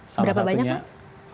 berapa banyak mas